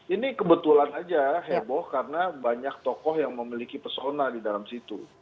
ini kebetulan aja heboh karena banyak tokoh yang memiliki persona di dalam situ